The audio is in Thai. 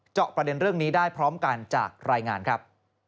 เจาะประเด็นเรื่องนี้ได้พร้อมกันจากรายงานครับ